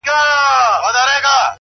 دلته برېتورو له مردیه لاس پرېولی دی!!